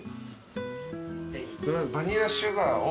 バニラシュガーを３。